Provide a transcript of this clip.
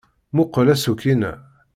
Mmuqqel aṣuk-inna.